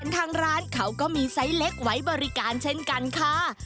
ทางร้านเขาก็มีไซส์เล็กไว้บริการเช่นกันค่ะ